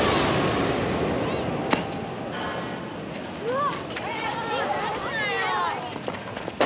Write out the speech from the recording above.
うわっ！